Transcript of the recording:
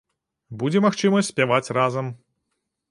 Будзе магчымасць спяваць разам!